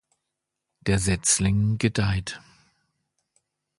Der Setzling gedeiht.